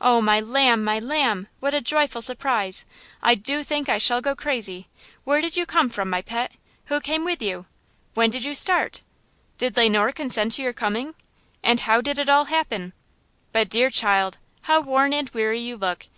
"Oh, my lamb! my lamb! what a joyful surprise! I do think I shall go crazy! Where did you come from, my pet? Who came with you? When did you start? Did Le Noir consent to your coming? And how did it all happen? But, dear child, how worn and weary you look!